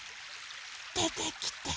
でてきて。